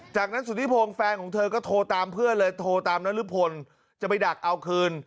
จากนั้นสุธิพงศ์แฟนของเธอก็โทรตามเพื่อนเลยโทรตามนรพลจะไปดักเอาคืน